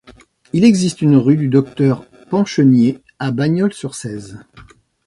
Il existe une rue du Docteur Penchenier à Bagnols-sur-Cèze.